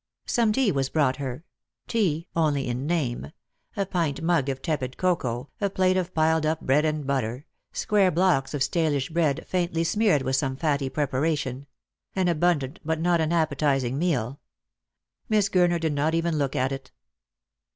Some tea was brought her — tea only in name. A pint mug of tepid cocoa, a plate of piled up bread and butter — square blocks of stalish bread faintly smeared with some fatty prepara tion — an abundant, but not an appetising meal. Miss Gurner did not even look at it.